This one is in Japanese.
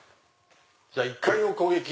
じゃあ１回目の攻撃。